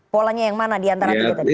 polanya yang mana diantara tiga tadi